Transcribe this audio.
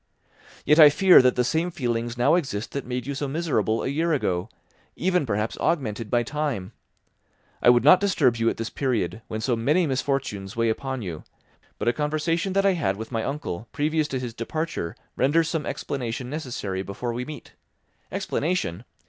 "Yet I fear that the same feelings now exist that made you so miserable a year ago, even perhaps augmented by time. I would not disturb you at this period, when so many misfortunes weigh upon you, but a conversation that I had with my uncle previous to his departure renders some explanation necessary before we meet. Explanation!